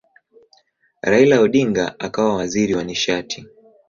Raila Odinga akawa waziri wa nishati.